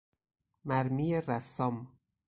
مرمی رسام